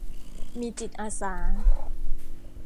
มีจิตอาสา